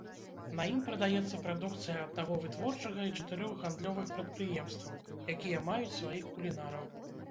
На ім прадаецца прадукцыя аднаго вытворчага і чатырох гандлёвых прадпрыемстваў, якія маюць сваіх кулінараў.